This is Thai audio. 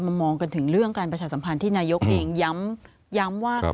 มองกันถึงเรื่องการประชาสัมพันธ์ที่นายกเองย้ำว่า